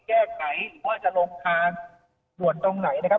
หรือว่าจะลงทางด่วนตรงไหนนะครับ